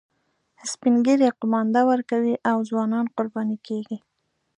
سپین ږیري قومانده ورکوي او ځوانان قرباني کیږي